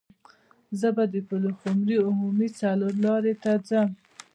زه به د پلخمري عمومي څلور لارې ته ځم.